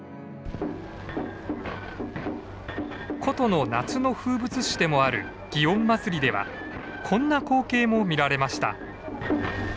古都の夏の風物詩でもある園祭ではこんな光景も見られました。